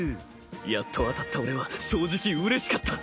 やっと当たった俺は正直うれしかった。